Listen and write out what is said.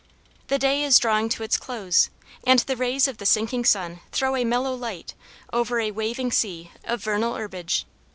The day is drawing to its close, and the rays of the sinking sun throw a mellow light over a waving sea of vernal herbage.